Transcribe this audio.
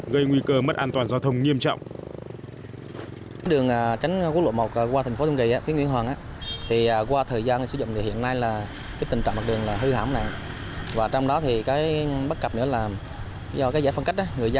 gây nguy cơ mất an toàn giao thông nghiêm trọng